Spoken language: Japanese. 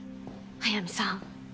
速水さん